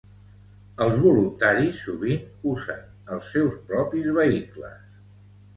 Els voluntaris sovint usen els seus propis vehicles.